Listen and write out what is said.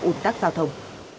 ùn tắc giao thông